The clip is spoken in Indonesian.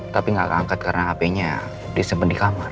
tapi gak keangkat karena hpnya disempen di kamar